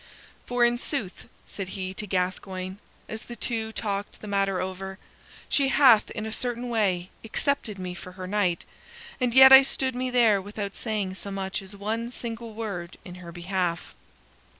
"For, in sooth," said he to Gascoyne, as the two talked the matter over, "she hath, in a certain way, accepted me for her knight, and yet I stood me there without saying so much as one single word in her behalf."